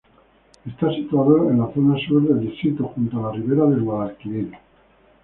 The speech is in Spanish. Está situado en zona sur del distrito, junto a la ribera del Guadalquivir.